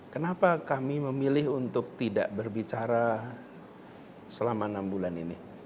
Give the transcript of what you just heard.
kenapa kami memilih untuk tidak berbicara selama enam bulan ini